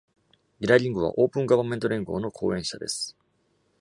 ギラリングは、オープンガバメント連合の後援者です。